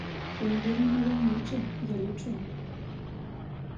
Ён вельмі маляўнічы, я лічу.